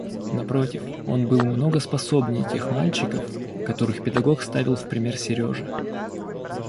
Напротив, он был много способнее тех мальчиков, которых педагог ставил в пример Сереже.